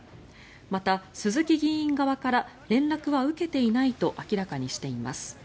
また、鈴木議員側から連絡は受けていないと明らかにしています。